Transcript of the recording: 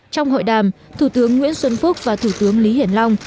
trong hội đàm thủ tướng nguyễn xuân phúc và thủ tướng lý hiển long